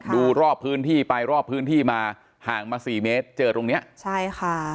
ดูรอบพื้นที่ไปรอบพื้นที่มาห่างมาสี่เมตรเจอตรงเนี้ยใช่ค่ะ